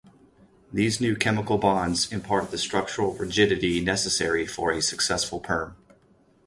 These new chemical bonds impart the structural rigidity necessary for a successful perm.